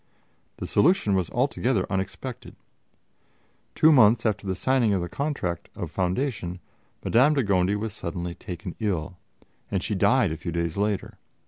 The solution was altogether unexpected. Two months after the signing of the contract of foundation, Madame de Gondi was taken suddenly ill, and she died a few days later.